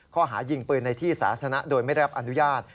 ข้อหายิงปืนในที่สาธารณะโดยไม่ได้รับอนุญาต